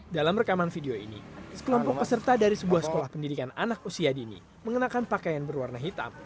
dalam rekaman video ini sekelompok peserta dari sebuah sekolah pendidikan anak usia dini mengenakan pakaian berwarna hitam